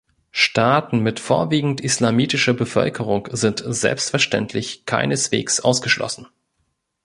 Staaten mit vorwiegend islamitischer Bevölkerung sind selbstverständlich keineswegs ausgeschlossen.